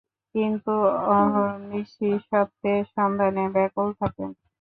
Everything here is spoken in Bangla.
কিন্তু অহর্নিশি সত্যের সন্ধানে ব্যাকুল থাকেন।